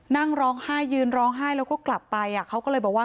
นั่งร้องไห้ยืนร้องไห้แล้วก็กลับไปเขาก็เลยบอกว่า